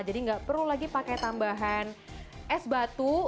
jadi nggak perlu lagi pakai tambahan es batu